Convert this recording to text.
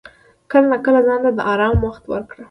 کله ناکله ځان ته د آرام وخت ورکړه.